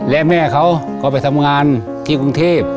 และแม่เขาก็ไปทำงานที่กรุงเทพ